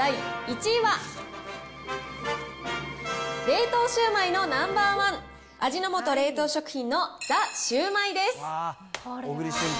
冷凍シュウマイのナンバー１、味の素冷凍食品のザ・シュウマイです。